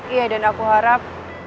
iya dan aku harap